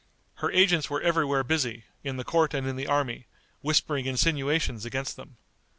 Her agents were everywhere busy, in the court and in the army, whispering insinuations against them.